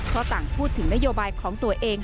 ก็ต่างพูดถึงนโยบายของตัวเอง